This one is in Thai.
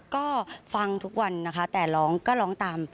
ก็ฟังทุกวันนะคะแต่ร้องก็ร้องตาม